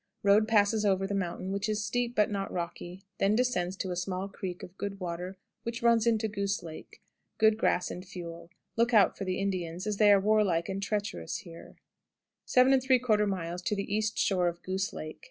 Road passes over the mountain, which is steep but not rocky, then descends to a small creek of good water which runs into Goose Lake. Good grass and fuel. Look out for the Indians, as they are warlike and treacherous here. 7 3/4. East shore of Goose Lake.